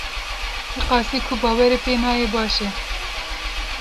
Bi qasî ku bawerî pê neyê baş e.